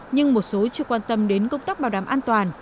nhưng một số chưa quan tâm đến công tác bảo đảm an toàn